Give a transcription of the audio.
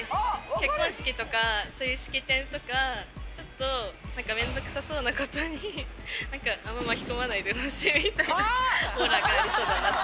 結婚式とか、そういう式典とか、ちょっとめんどくさそうなことにあんま巻き込まないでほしいみたいなオーラがありそうだなと。